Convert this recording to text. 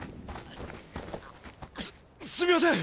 すすみません！